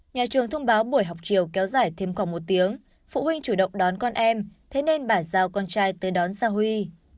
nhà trường thông báo buổi học chiều kéo dài thêm khoảng một tiếng phụ huynh chủ động đón con em thế nên bà giao con trai tới đón giao huy